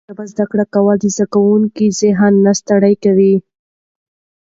په مورنۍ ژبه زده کړه د زده کوونکي ذهن نه ستړی کوي.